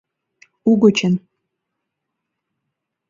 Угычын